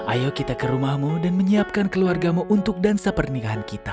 ayo kita ke rumahmu dan menyiapkan keluargamu untuk dansa pernikahan kita